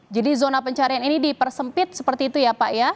jadi zona pencarian ini dipersempit seperti itu ya pak ya